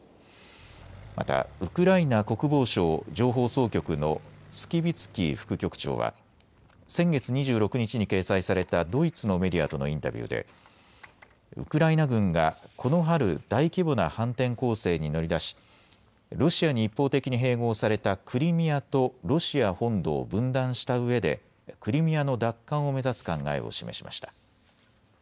またウクライナ国防省情報総局のスキビツキー副局長は先月２６日に掲載されたドイツのメディアとのインタビューでウクライナ軍がこの春大規模な反転攻勢に乗り出しロシアに一方的に併合されたクリミアとロシア本土を分断したうえでクリミアの奪還を目指す考えを示しました。